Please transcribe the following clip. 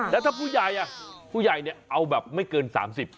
แล้วถ้าผู้ใหญ่ผู้ใหญ่เอาแบบไม่เกิน๓๐บาท